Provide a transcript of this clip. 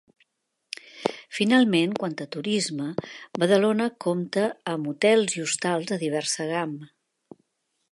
Finalment, quant a turisme, Badalona compta amb hotels i hostals de diversa gamma.